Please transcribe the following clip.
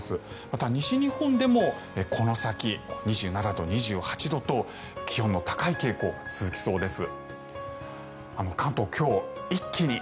また、西日本でもこの先２７度、２８度と気温の高い傾向が続きそうです。